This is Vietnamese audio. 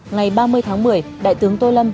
ngày ba mươi tháng một mươi đại tướng tô lâm